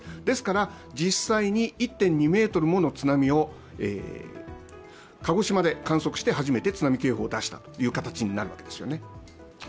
ですから実際に１．２ｍもの津波を鹿児島で観測して初めて津波警報を出したという形になるんですね。